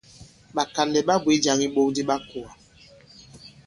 Ɓàkànlɛ̀ ɓa bwě jāŋ iɓok di ɓa kùà.